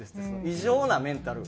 異常なメンタル。